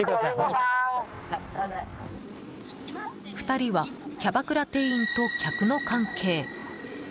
２人はキャバクラ店員と客の関係。